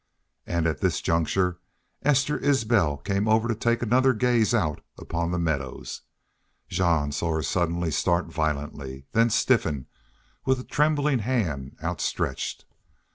And at this juncture Esther Isbel came over to take another gaze out upon the meadows. Jean saw her suddenly start violently, then stiffen, with a trembling hand outstretched.